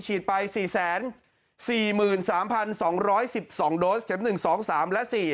ฉีดไป๔๔๓๒๑๒โดสเข็ม๑๒๓และ๔